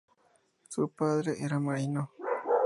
Su padre era marino.